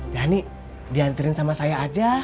diani diantarin sama saya aja